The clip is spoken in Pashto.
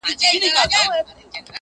زما زړه هم افغانستان سو نه جوړېږي اشنا,